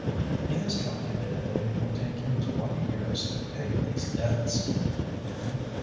He has calculated that it will take him twenty years to pay his debts. And then?